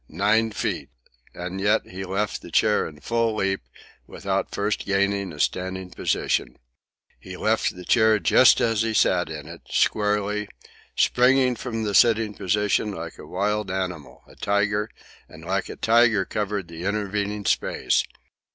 Nine feet! And yet he left the chair in full leap, without first gaining a standing position. He left the chair, just as he sat in it, squarely, springing from the sitting posture like a wild animal, a tiger, and like a tiger covered the intervening space.